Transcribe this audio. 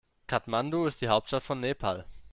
Kathmandu ist die Hauptstadt von Nepal.